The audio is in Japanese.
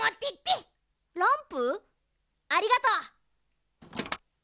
ありがとう。